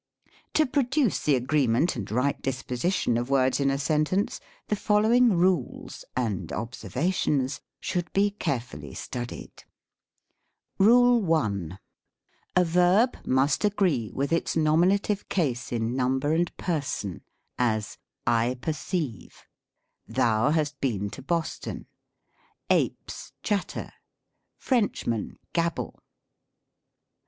To produce the agreement and right disposition of words in a sentence, the following rules (and observa tions ?) should be carefully studied. RULE I. A verb must agree with its nominative case in number and person : as " I perceive." " Thou hast been to Boston." " Apes chatter." " Frenchmen gabble."